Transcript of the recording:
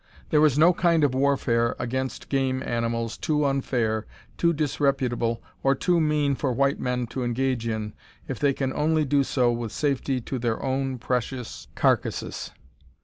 There is no kind of warfare against game animals too unfair, too disreputable, or too mean for white men to engage in if they can only do so with safety to their own precious carcasses.